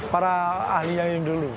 para ahli yang dulu